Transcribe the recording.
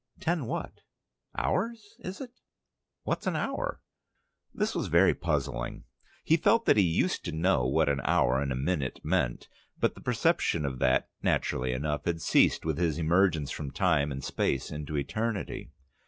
Ten what? Hours, is it? What's an hour?" This was very puzzling. He felt that he used to know what an hour and a minute meant, but the perception of that, naturally enough, had ceased with his emergence from time and space into eternity.